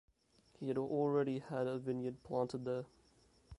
He had already had a vineyard planted there.